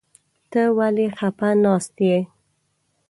ته ولې خپه ناست يې ؟